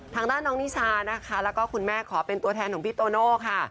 ทางด้านน้องนิชานะคะแล้วก็คุณแม่ขอเป็นตัวแทนของพี่โตโน่ค่ะ